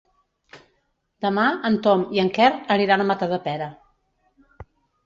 Demà en Tom i en Quer aniran a Matadepera.